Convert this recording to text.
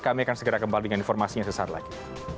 kami akan segera kembali dengan informasinya sesaat lagi